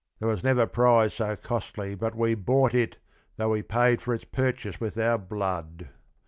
There was never prize so costly but we bought it, Though we paid for its purchase with our blood.